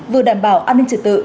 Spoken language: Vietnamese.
vừa đảm bảo an ninh trật tự